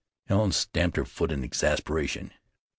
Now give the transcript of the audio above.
Helen stamped her foot in exasperation.